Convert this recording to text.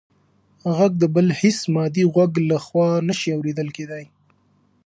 غږ د بل هېڅ مادي غوږ لخوا نه شي اورېدل کېدی.